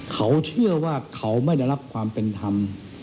เขาเชื่อว่าเขาไม่ได้รับความเป็นธรรม